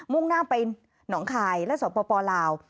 ่งหน้าไปหนองคายและสปลาว